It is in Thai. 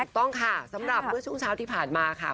ต้องค่ะสำหรับเมื่อช่วงเช้าที่ผ่านมาค่ะ